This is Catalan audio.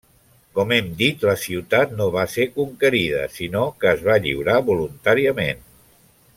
Com hem dit, la ciutat no va ser conquerida sinó que es va lliurar voluntàriament.